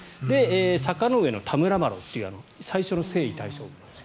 坂上田村麻呂という最初の征夷大将軍です。